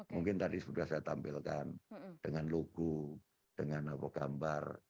mungkin tadi sudah saya tampilkan dengan logo dengan gambar